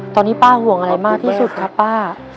ตอนนี้ป้าห่วงอะไรมากที่สุดครับป้า